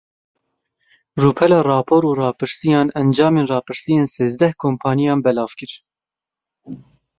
Rûpela Rapor û Rapirsiyan encamên rapirsiyên sêzdeh kompaniyan belav kir.